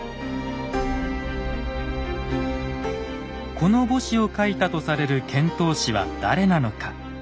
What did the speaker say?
この墓誌を書いたとされる遣唐使は誰なのか。